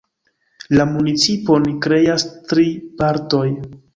La municipon kreas tri partoj.